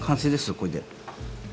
これで。